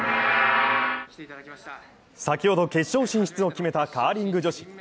先ほど決勝進出を決めた、カーリング女子。